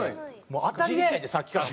もう当たり屋やでさっきから！